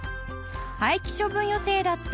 廃棄処分予定だった